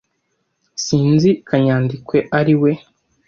Sinzi kanyandekwe ari we.